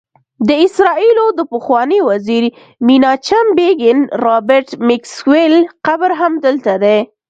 د اسرائیلو د پخواني وزیر میناچم بیګین، رابرټ میکسویل قبر هم دلته دی.